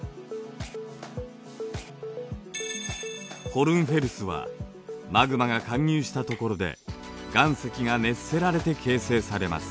ホルンフェルスはマグマが貫入したところで岩石が熱せられて形成されます。